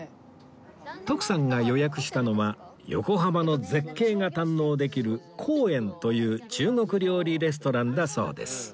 徳さんが予約したのは横浜の絶景が堪能できる皇苑という中国料理レストランだそうです